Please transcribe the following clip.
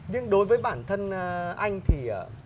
nhưng đối với bản thân anh thì